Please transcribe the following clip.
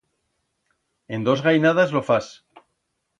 En dos gainadas lo fas.